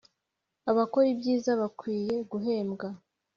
abakora ibyiza bakwiye guhembwa